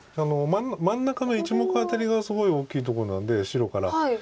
真ん中の１目アタリがすごい大きいところなので白から。